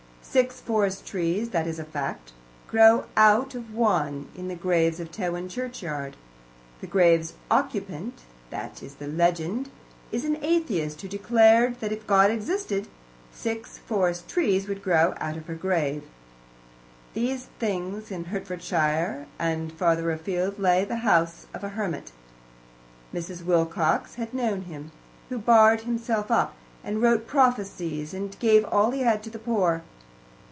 Six forest trees that is a fact grow out of one of the graves in Tewin churchyard. The grave's occupant that is the legend is an atheist, who declared that if God existed, six forest trees would grow out of her grave. These things in Hertfordshire; and farther afield lay the house of a hermit Mrs. Wilcox had known him who barred himself up, and wrote prophecies, and gave all he had to the poor.